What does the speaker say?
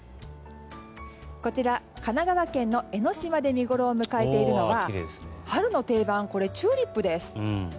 こちら、神奈川県の江の島で見ごろを迎えているのは春の定番、チューリップです。